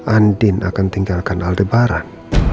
andin akan tinggalkan aldebaran